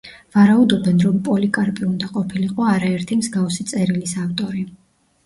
ვარაუდობენ, რომ პოლიკარპე უნდა ყოფილიყო არაერთი მსგავსი წერილის ავტორი.